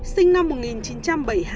sinh năm một nghìn chín trăm bảy mươi hai